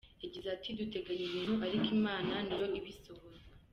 Yagize ati “Duteganya ibintu ariko Imana ni yo ibisohoza.